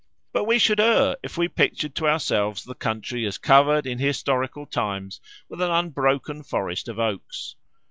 But we should err if we pictured to ourselves the country as covered in historical times with an unbroken forest of oaks.